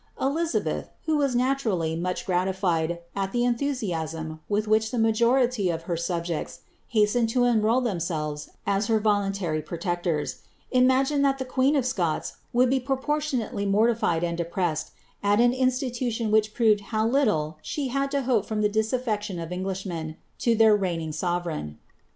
Elizabeth, who was naturally much gra mthusiasm with which the majority of her subjects hastened nselves as her voluntary protectors, imagined that the queen lid be proportionately mortified and depressed at an institu proved how little she had to hope from the disa^ction of to their reigning sovereign.